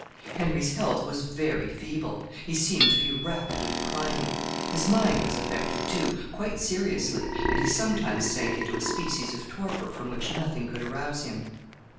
Henry's health was very feeble. He seemed to be rapidly declining. His mind was affected, too, quite seriously, and he sometimes sank into a species of torpor from which nothing could arouse him.